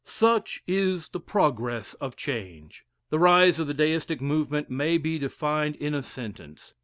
Such is the progress of change. The rise of the Deistic movement may be defined in a sentence.